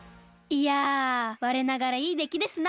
いやわれながらいいできですな。